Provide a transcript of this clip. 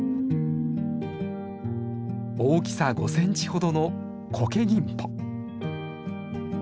大きさ５センチほどのコケギンポ。